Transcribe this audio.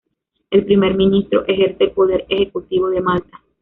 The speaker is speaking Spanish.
El primer ministro ejerce el poder ejecutivo de Malta.